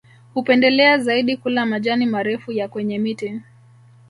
Hupendelea zaidi kula majani marefu ya kwenye miti